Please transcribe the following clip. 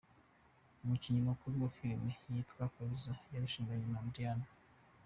umukinnyi mukuru muri Filimi Yitwa Kaliza yarushinganye na Diyane